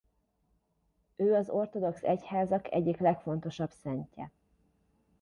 Ő az ortodox egyházak egyik legfontosabb szentje.